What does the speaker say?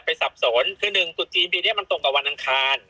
สับสนคือหนึ่งตุจจีนปีนี้มันตรงกับวันอังคาร